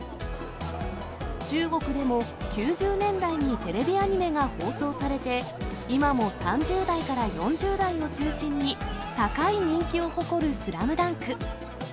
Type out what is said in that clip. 中国でも９０年代にテレビアニメが放送されて、今も３０代から４０代を中心に、高い人気を誇るスラムダンク。